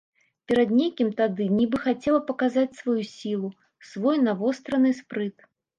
Перад некім тады нібы хацела паказаць сваю сілу, свой навостраны спрыт.